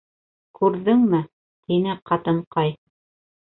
— Күрҙеңме, — тине ҡатынҡай.